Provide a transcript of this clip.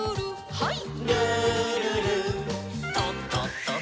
はい。